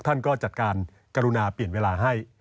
ท่านก็จัดการกรุณาเปลี่ยนเวลาให้